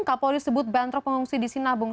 kapolri sebut bentrok pengungsi di sinabung